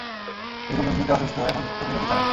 বেগম এমনিতেই অসুস্থ, এখন তুমিও বিছানায়।